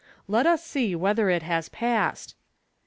" Let as see whether it has passed."